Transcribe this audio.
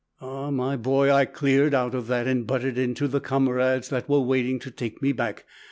"Ah, my boy, I cleared out of that, and butted into the Kamarads that were waiting to take me back.